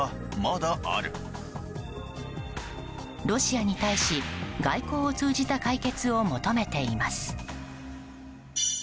ロシアに対し外交を通じた解決を求めています。